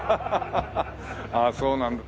ああそうなんだ。